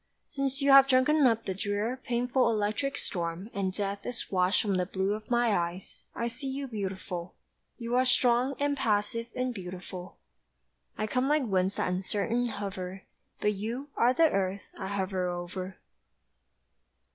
Since you have drunken up the drear Painful electric storm, and death Is washed from the blue Of my eyes, I see you beautiful. You are strong and passive and beautiful, I come like winds that uncertain hover; But you Are the earth I hover over.